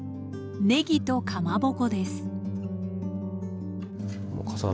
ねぎとかまぼこです笠原